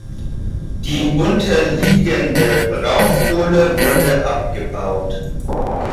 Die unterliegende Braunkohle wurde abgebaut.